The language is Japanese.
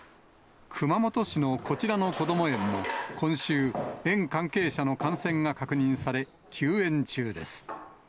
熊本市のこちらのこども園も、今週、園関係者の感染が確認され、休園中です。